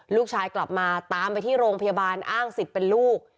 กลับมาตามไปที่โรงพยาบาลอ้างสิทธิ์เป็นลูก